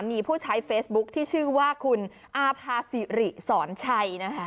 มีผู้ใช้เฟซบุ๊คที่ชื่อว่าคุณอาภาษิริสอนชัยนะคะ